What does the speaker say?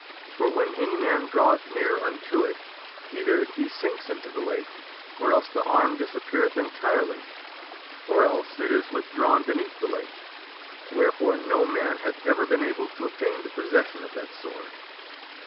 For when any man draweth near unto it, either he sinks into the lake, or else the arm disappeareth entirely, or else it is with drawn beneath the lake ; wherefore no man hath ever been able to obtain the possession of that sword.